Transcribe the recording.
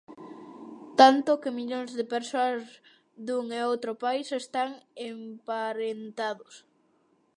Tanto que millóns de persoas dun e outro país están emparentados.